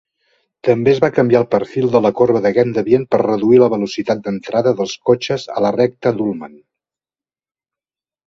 També es va canviar el perfil de la corba de Gendebien per reduir la velocitat d'entrada dels cotxes a la recta d'Ullman.